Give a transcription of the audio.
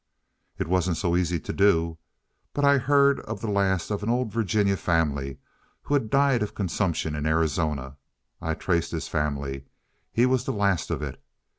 "It wasn't so easy to do. But I heard of the last of an old Virginia family who had died of consumption in Arizona. I traced his family. He was the last of it.